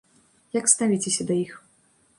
Як ставіцеся да іх?